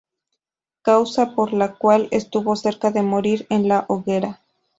Causa por la cual estuvo cerca de morir en la hoguera.